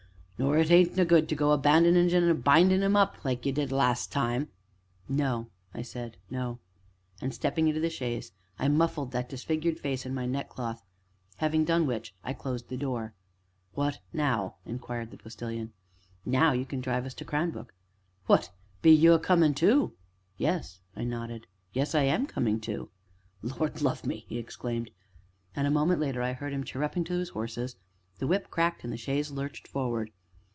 "Nor it ain't no good to go a bandagin' and a bindin' of 'im up like you did last time." "No," said I; "no." And stepping into the chaise, I muffled that disfigured face in my neckcloth; having done which, I closed the door. "What now?" inquired the Postilion. "Now you can drive us to Cranbrook." "What be you a comin' too?" "Yes," I nodded; "yes, I am coming too." "Lord love me!" he exclaimed, and a moment later I heard him chirruping to his horses; the whip cracked and the chaise lurched forward.